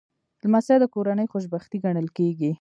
لمسی د کورنۍ خوشبختي ګڼل کېږي.